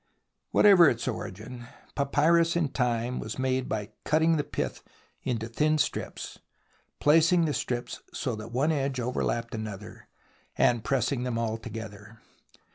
What THE ROMANCE OF EXCAVATION 17 ever its origin, papyrus in time was made by cutting the pith into thin strips, placing the strips so that one edge overlapped another, and pressing them all together.